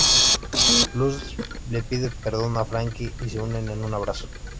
Luz le pide perdón a Franky y se unen en un abrazo.